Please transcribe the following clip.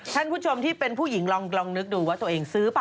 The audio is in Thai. ท่านผู้ชมที่เป็นผู้หญิงลองนึกดูว่าตัวเองซื้อป่